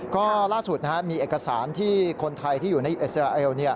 ก็ล่าสุดมีเอกสารที่คนไทยที่อยู่ในอิสราเอล